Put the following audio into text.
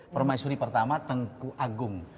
permaisuri pertama tengku agung